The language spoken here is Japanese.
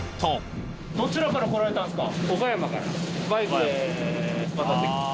どちらから来られたんですか？